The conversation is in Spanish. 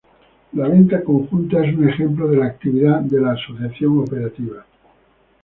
La venta conjunta es un ejemplo de la actividad de la asociación operativa.